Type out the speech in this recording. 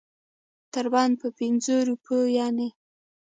تر بنده په پنځو روپو یعنې.